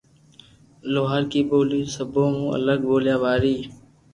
لوھارڪي ٻولي سبو مون الگ ٻوليا واري